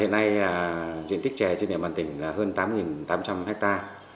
hiện nay diện tích chè trên đỉa mặt tỉnh là hơn tám tám trăm linh ha